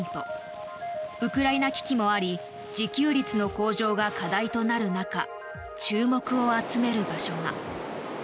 ウクライナ危機もあり自給率の向上が課題となる中注目を集める場所が。